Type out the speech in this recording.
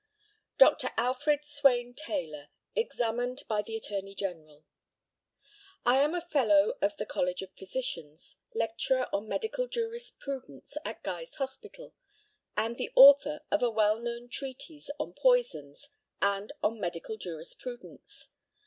Dr. ALFRED SWAYNE TAYLOR, examined by the ATTORNEY GENERAL: I am a fellow of the College of Physicians, lecturer on medical jurisprudence at Guy's hospital, and the author of the well known treatise on poisons and on medical jurisprudence.